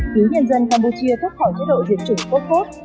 cứu nhân dân campuchia thoát khỏi chế độ diệt chủng côn cốt